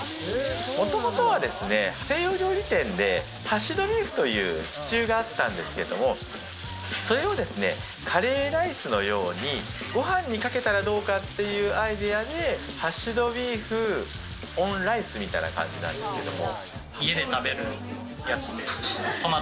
もともとはですね、西洋料理店でハッシュドビーフという受注があったんですけども、それをカレーライスのようにご飯にかけたらどうかっていうアイデアで、ハッシュドビーフオンライスみたいな感じなんですけれども。